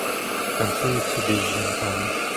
Танцюють собі з жінками.